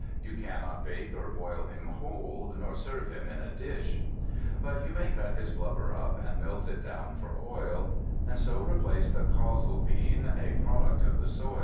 You cannot bake or boil him whole Nor serve him in a dish; But you may cut his blubber up And melt it down for oil. And so replace the colza bean (A product of the soil).